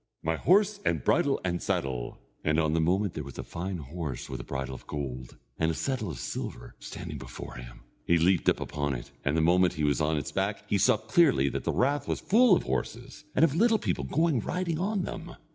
My horse, and bridle, and saddle!" And on the moment there was a fine horse with a bridle of gold, and a saddle of silver, standing before him. He leaped up on it, and the moment he was on its back he saw clearly that the rath was full of horses, and of little people going riding on them.